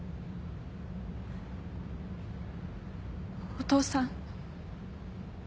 お父さん。